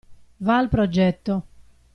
Va al progetto.